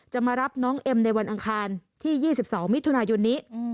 มารับน้องเอ็มในวันอังคารที่๒๒มิถุนายนนี้